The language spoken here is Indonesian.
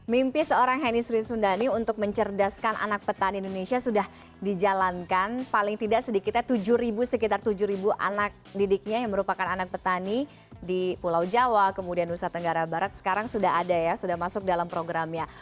mimpi seorang heni sri sundani untuk mencerdaskan anak petani indonesia sudah dijalankan paling tidak sedikitnya tujuh sekitar tujuh anak didiknya yang merupakan anak petani di pulau jawa kemudian nusa tenggara barat sekarang sudah ada ya sudah masuk dalam programnya